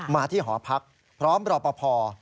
มาที่หอพักพร้อมรอปภ